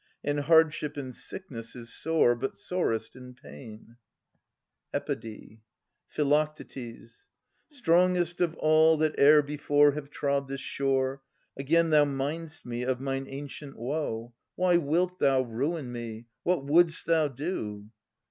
And hardship in sickness is sore. But sorest in pain. Epode. Phi. Kindest of all that ^er before Have trod this shore, Again thou mind'st me of mine ancient woe ! Why wilt thou ruin me ? What wouldst thou do